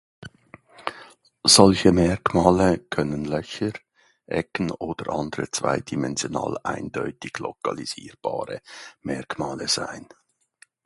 Solche Merkmale können Löcher, Ecken oder andere zweidimensional eindeutig lokalisierbare Merkmale sein.